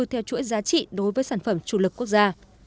theo chuỗi giá trị đối với sản phẩm chủ lực quốc gia